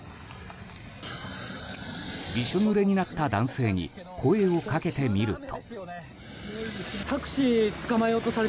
びしょぬれになった男性に声をかけてみると。